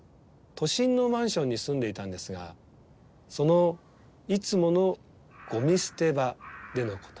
都心のマンションに住んでいたんですがそのいつものゴミ捨て場でのこと。